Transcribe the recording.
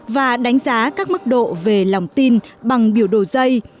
và đánh giá các mức độ về lòng tin bằng biểu đồ dây